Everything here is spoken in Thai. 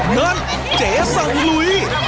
นั่นเจ๋สังลุย